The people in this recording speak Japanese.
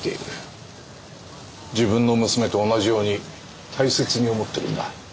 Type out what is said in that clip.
自分の娘と同じように大切に思ってるんだ。